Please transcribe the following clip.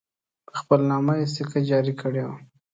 په خپل نامه یې سکه جاري کړې وه.